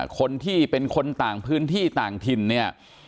คนที่เป็นคนต่างพื้นที่ต่างถิ่นเนี่ย